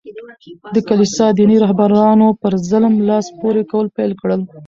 د کلیسا دیني رهبرانو په ظلم لاس پوري کول پېل کړل.